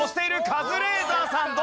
カズレーザーさんどうぞ。